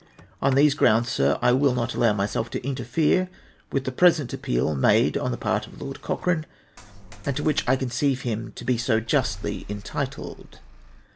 On these grounds. Sir, I will not allow myself to interfere with the present appeal made on the part of Lord Cochrane, and to which I conceive him to l)e so justly entitled.